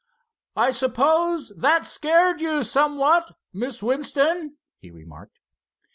"I suppose that scared you somewhat, Miss Winston?" he remarked.